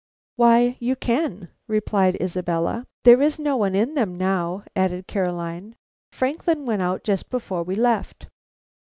"Why, you can," replied Isabella. "There is no one in them now," added Caroline, "Franklin went out just before we left."